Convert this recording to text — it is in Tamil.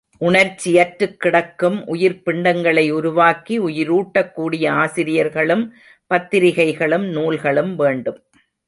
உணர்ச்சியற்றுக் கிடக்கும் உயிர்ப்பிண்டங்களை உருவாக்கி உயிரூட்டக்கூடிய ஆசிரியர்களும் பத்திரிகைகளும் நூல்களும் வேண்டும்.